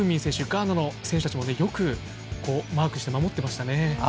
ガーナの選手たちもよくマークして守ってましたね。